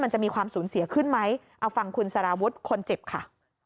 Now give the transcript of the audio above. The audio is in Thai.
จะมีความสูญเสียขึ้นไหมเอาฟังคุณสารวุฒิคนเจ็บค่ะ